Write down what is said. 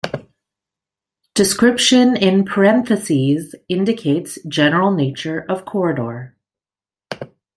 Description in parentheses indicates general nature of corridor.